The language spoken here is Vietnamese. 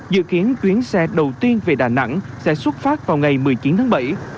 dự kiến chuyến xe đầu tiên về đà nẵng sẽ xuất phát vào ngày một mươi chín tháng bảy